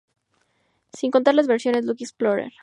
Sin contar las versiones Lucky Explorer.